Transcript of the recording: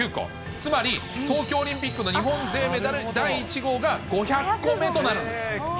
つまり東京オリンピックの日本勢メダル第１号が５００個目となるんです。